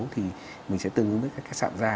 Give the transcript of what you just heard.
thì mình sẽ tương ứng với các sạm da